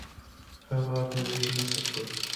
هغه اپ مې بېرته نصب کړ.